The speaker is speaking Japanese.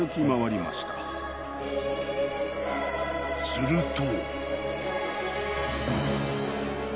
［すると］